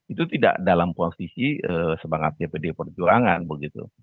itu tidak dalam posisi semangatnya pdi perjuangan begitu